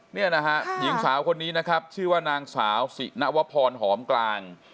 เนี่ยนะฮะหญิงสาวคนนี้นะครับชื่อว่านางสาวสินวพรหอมกลาง